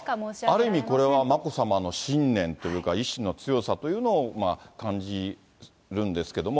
ある意味、これは眞子さまの信念というか、意志の強さというのを感じるんですけども。